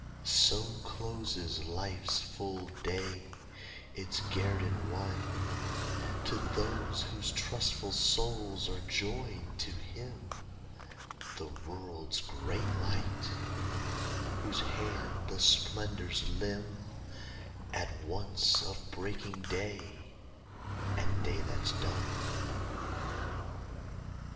So closes life's full day, its guerdon won, To those whose trustful souls are joined to Him The world's great Light whose hand the splendors limn At once of breaking day and day that's done.